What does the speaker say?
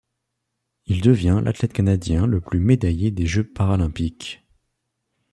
Il devient l'athlète canadien le plus médaillé des Jeux paralympiques.